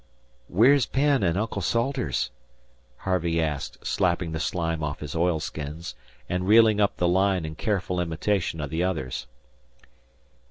"Where's Penn and Uncle Salters?" Harvey asked, slapping the slime off his oilskins, and reeling up the line in careful imitation of the others.